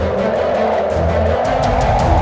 warga ukrabuku patientsuk